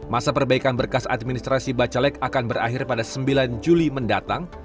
masa perbaikan berkas administrasi bacalek akan berakhir pada sembilan juli mendatang